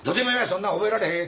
そんな覚えられへん！